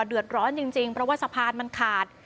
เดือดร้อนจริงเพราะว่าสะพานมันขาด